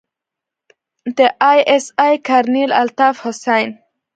د آى اس آى کرنيل الطاف حسين.